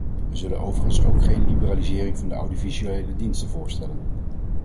Wij zullen overigens ook geen liberalisering van de audiovisuele diensten voorstellen.